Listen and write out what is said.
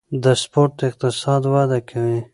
د سپورت اقتصاد وده کوي